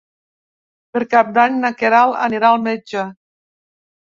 Per Cap d'Any na Queralt anirà al metge.